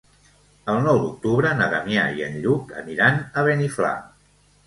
El nou d'octubre na Damià i en Lluc aniran a Beniflà.